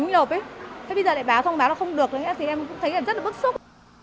thế bây giờ lại báo xong báo nó không được rồi thì em cũng thấy rất là bất xúc